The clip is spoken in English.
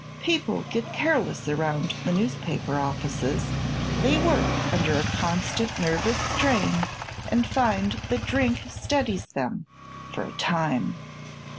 People get careless around the newspaper offices. They work under a constant nervous strain and find that drink steadies them for a time.